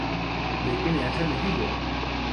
لیکن ایسا نہیں ہوا۔